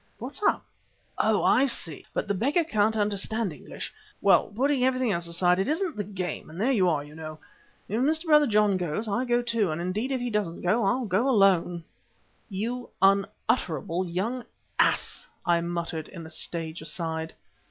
"What's up? Oh! I see, but the beggar can't understand English. Well, putting aside everything else, it isn't the game, and there you are, you know. If Mr. Brother John goes, I'll go too, and indeed if he doesn't go, I'll go alone." "You unutterable young ass," I muttered in a stage aside.